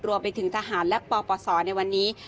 รวมไปถึงทหารและปปศในวันนี้